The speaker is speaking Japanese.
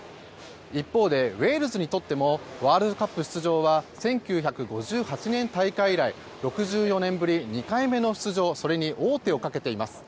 一方で、ウェールズにとってもワールドカップ出場は１９５８年大会以来６４年ぶり２回目の出場それに王手をかけています。